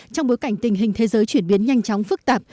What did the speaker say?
trong bối cảnh tình hình thế giới chuyển biến nhanh chóng phức tạp